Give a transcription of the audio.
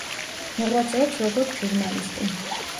მოღვაწეობს როგორც ჟურნალისტი.